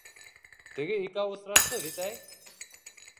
— Теге «икәү» осрашты бит, әй!